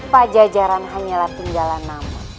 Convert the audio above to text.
pajajaran hanyalah tinggalan nama